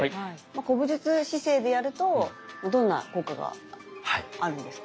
古武術姿勢でやるとどんな効果があるんですか？